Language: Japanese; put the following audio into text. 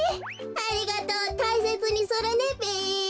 ありがとうたいせつにするねべ。